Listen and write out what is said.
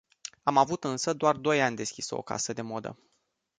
Am avut însă doar doi ani deschisă o casă de modă.